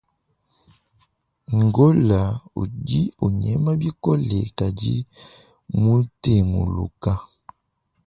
Gola udi unyema bikola kadi mutenguluka.